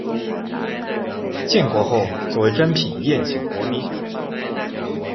建国后作为珍品宴请国宾。